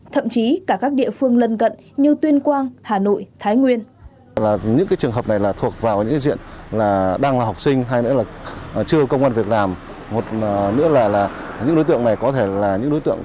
thậm chí cả các địa phương lân cận như tuyên quang hà nội thái nguyên